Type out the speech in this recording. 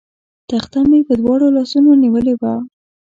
تخته مې په دواړو لاسونو نیولې وه.